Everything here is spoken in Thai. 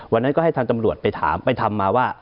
วันนั้นก็ให้ท่านจำรวจไปทำมาว่า